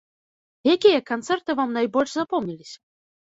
Якія канцэрты вам найбольш запомніліся?